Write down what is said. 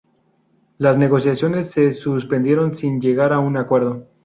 Las negociaciones se suspendieron sin llegar a un acuerdo.